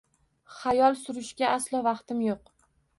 Xayol surishga aslo vaqtim yo‘q